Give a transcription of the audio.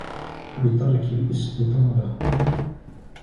بِتَرْكِ الِاسْتِطَالَةِ